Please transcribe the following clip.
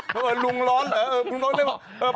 หรือว่าลุงร้อนเหรอ